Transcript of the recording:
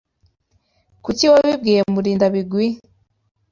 Kuki wabibwiye Murindabigwi?